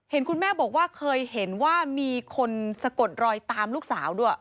คุณแม่บอกว่าเคยเห็นว่ามีคนสะกดรอยตามลูกสาวด้วย